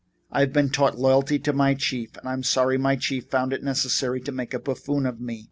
I've been taught loyalty to my chief and I'm sorry my chief found it necessary to make a buffoon of me.